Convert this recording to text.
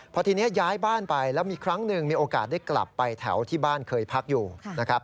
พอทีนี้ย้ายบ้านไปแล้วมีครั้งหนึ่งมีโอกาสได้กลับไปแถวที่บ้านเคยพักอยู่นะครับ